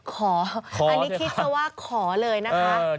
ขออันนี้คิดซะว่าขอเลยนะคะ